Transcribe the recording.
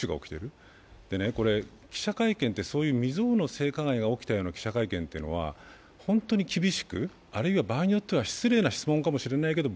これ、記者会見って未曽有の性加害が起きたような記者会見というのはホントに厳しく、あるいは場合によっては失礼な質問かもしれないけど